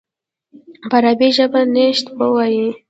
په عربي ژبه نشید ووایي.